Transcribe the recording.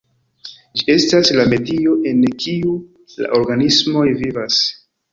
Ĝi estas la medio en kiu la organismoj vivas.